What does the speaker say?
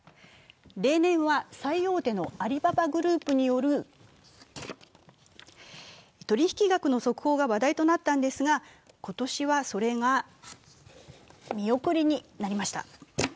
例年は最大手のアリババグループによる取引額の速報が話題となったんですが、今年はそれが見送りになりました。